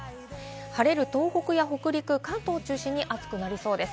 晴れる東北や北陸、関東を中心に暑くなりそうです。